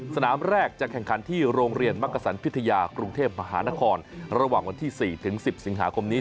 สนามแรกจะแข่งขันที่โรงเรียนมักกษันพิทยากรุงเทพมหานครระหว่างวันที่๔๑๐สิงหาคมนี้